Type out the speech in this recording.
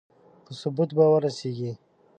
په ثبوت به ورسېږي.